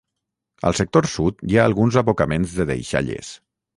Al sector sud hi ha alguns abocaments de deixalles.